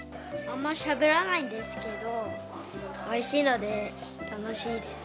あんましゃべらないんですけど、おいしいので、楽しいです。